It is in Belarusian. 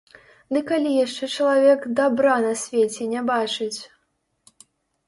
Ды калі яшчэ чалавек дабра на свеце не бачыць!